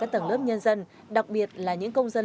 tầng lớp nhân dân đặc biệt là những công dân